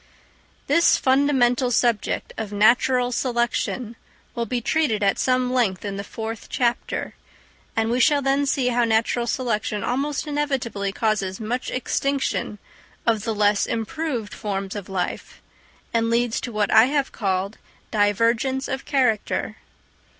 This fundamental subject of natural selection will be treated at some length in the fourth chapter; and we shall then see how natural selection almost inevitably causes much extinction of the less improved forms of life, and leads to what I have called divergence of character.